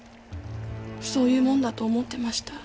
そういうもんだと思ってました。